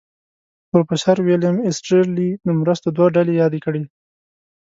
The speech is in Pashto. پروفیسر ویلیم ایسټرلي د مرستو دوه ډلې یادې کړې.